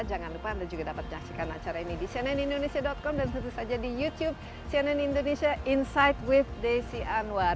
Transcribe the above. jangan lupa anda juga dapat menyaksikan acara ini di cnnindonesia com dan tentu saja di youtube cnn indonesia insight with desi anwar